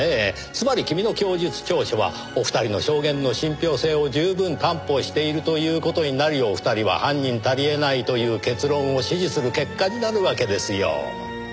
つまり君の供述調書はお二人の証言の信憑性を十分担保しているという事になりお二人は犯人たりえないという結論を支持する結果になるわけですよ。